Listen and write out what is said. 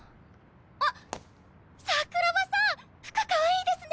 あっ桜庭さん服かわいいですね！